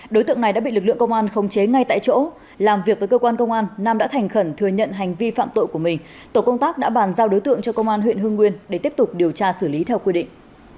đối tượng này đã bị lực lượng công an khống chế ngay tại chỗ làm việc với cơ quan công an nam đã thành khẩn thừa nhận hành vi phạm tội của mình tổ công tác đã bàn giao đối tượng cho công an huyện hưng nguyên để tiếp tục điều tra xử lý theo quy định